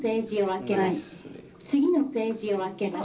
「次のページを開けます」。